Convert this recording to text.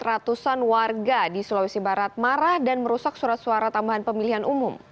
ratusan warga di sulawesi barat marah dan merusak surat suara tambahan pemilihan umum